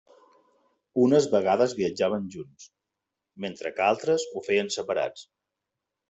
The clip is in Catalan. Unes vegades viatjaven junts, mentre que altres ho feien separats.